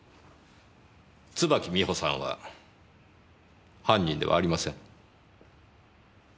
椿美穂さんは犯人ではありません。